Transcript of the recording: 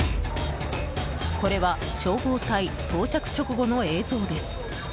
これは消防隊到着直後の映像です。